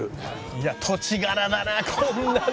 いや土地柄だなあこんなの。